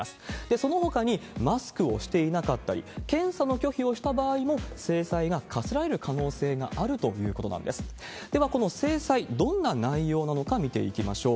そのほかにマスクをしていなかったり、検査の拒否をした場合も、制裁が科せられる可能性があるということなんです。